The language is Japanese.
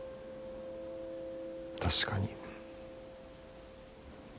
確かに。